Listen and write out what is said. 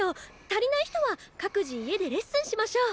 足りない人は各自家でレッスンしましょう。